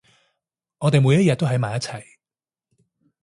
我哋每一日都喺埋一齊